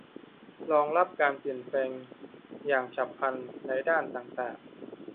รองรับการเปลี่ยนแปลงอย่างฉับพลันในด้านต่างต่าง